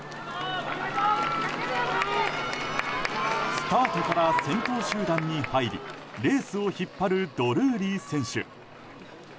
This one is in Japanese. スタートから先頭集団に入りレースを引っ張るドルーリー選手。